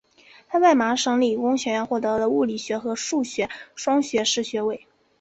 他在麻省理工学院获得了物理学和数学双学士学位。